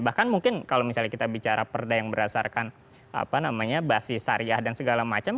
bahkan mungkin kalau misalnya kita bicara perda yang berasarkan bahasi sariah dan segala macam